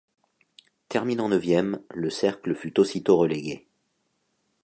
Terminant neuvième, le cercle fut aussitôt relégué.